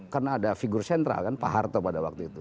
karena ada figur sentral kan pak harto pada waktu itu